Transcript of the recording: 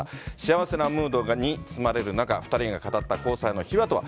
幸せなムードに包まれる中、２人が語った交際の秘話とは？